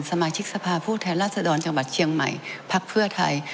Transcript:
สมาชิกสภาพผู้แทนราชดรจังหวัดเชียงใหม่พักเพื่อไทย